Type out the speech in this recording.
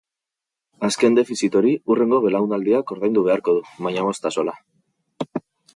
Azken defizit hori hurrengo belaunaldiak ordaindu beharko du, baina bost axola.